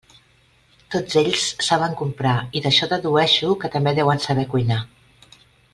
Tots ells saben comprar, i d'això dedueixo que també deuen saber cuinar.